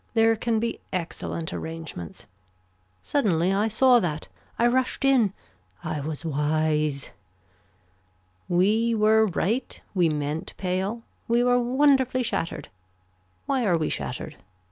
There can be excellent arrangements. Suddenly I saw that. I rushed in. I was wise. We were right. We meant pale. We were wonderfully shattered. Why are we shattered.